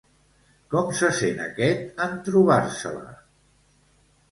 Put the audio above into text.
Com se sent aquest en trobar-se-la?